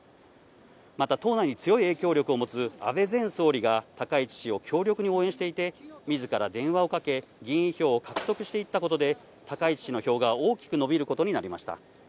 また、党内に強い影響力を持つ安倍前総理が高市氏を強力に応援していて、みずから電話をかけ、議員票を獲得していったことで、高市氏の票が大きく伸びることになりました。